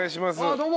どうも。